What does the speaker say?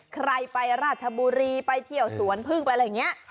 ใครไปราชบุรีไปเที่ยวสวนพึ่งไปอะไรอย่างนี้